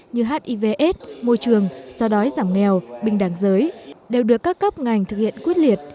như hivs môi trường so đói giảm nghèo bình đẳng giới đều được các cấp ngành thực hiện quyết liệt